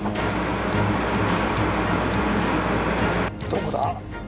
どこだ？